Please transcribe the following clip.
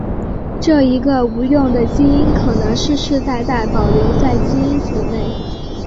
这一个无用的基因可能世世代代保留在基因组内。